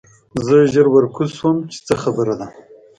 زه ژر ورکوز شوم چې څه خبره ده